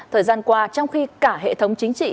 thời gian qua trong khi cả hệ thống chính trị